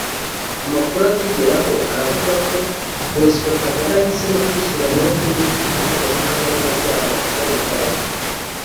Amakuru atugeraho aravuga ko Bosco Ntaganda yahisemo kwishyira mu maboko y’urukiko mpuzamahanga mpanabyaha ngo akize amagara ye